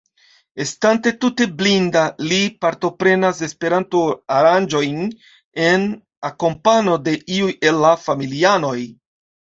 Estante tute blinda, li partoprenas Esperanto-aranĝojn en akompano de iu el la familianoj.